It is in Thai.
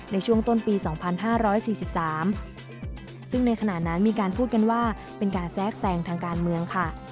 ในช่วงต้นปี๒๕๔๓ซึ่งในขณะนั้นมีการพูดกันว่าเป็นการแทรกแทรงทางการเมืองค่ะ